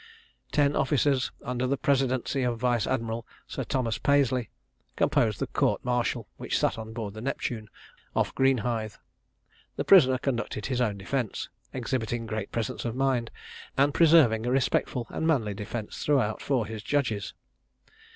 Ten officers, under the presidency of Vice Admiral Sir Thomas Paisley, composed the court martial, which sat on board the Neptune, off Greenhithe. The prisoner conducted his own defence, exhibiting great presence of mind, and preserving a respectful and manly deference throughout for his judges.